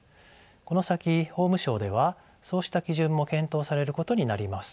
この先法務省ではそうした基準も検討されることになります。